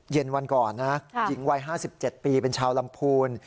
เย็นวันก่อนนะหญิงวัย๕๗ปีเป็นชาวลำพูน